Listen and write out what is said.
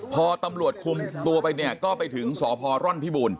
พอตำรวจคุมตัวไปเนี่ยก็ไปถึงสพร่อนพิบูรณ